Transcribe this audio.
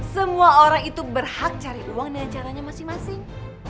semua orang itu berhak cari uang dengan caranya masing masing